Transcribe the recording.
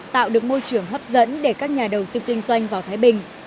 tạo được môi trường hấp dẫn để các nhà đầu tư kinh doanh vào thái bình